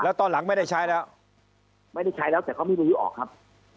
แล้วตอนหลังไม่ได้ใช้แล้วไม่ได้ใช้แล้วแต่เขาไม่มีประยุออกครับ